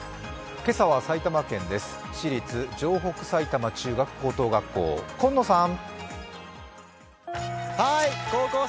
今朝は埼玉県です私立城北埼玉中学・高等学校、今野さん！